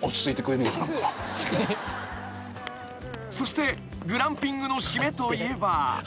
［そしてグランピングの締めといえば］